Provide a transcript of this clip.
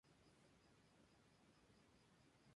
Cohen es reconocido por su prosa poco corriente.